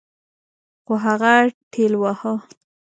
خو هغه ټېلوهه.